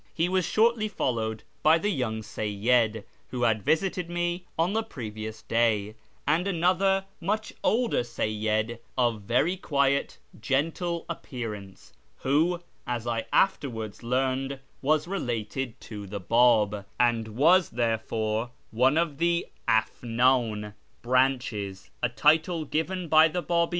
He was shortly followed by the young Seyyid who had visited me on the previous day, and another much older Seyyid of very quiet, gentle appearance, who, as I afterwards learned, was related to the Bab, and was therefore one of the Afndn A ]'EA/^ AAfONGST T//£ PEJiS/ANS (" Brauches ")— a title given by the B;ibf.